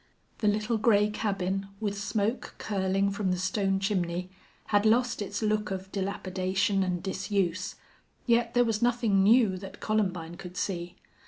The little gray cabin, with smoke curling from the stone chimney, had lost its look of dilapidation and disuse, yet there was nothing new that Columbine could see.